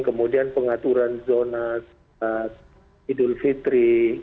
kemudian pengaturan zona idul fitri